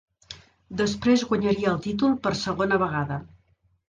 Després guanyaria el títol per segona vegada.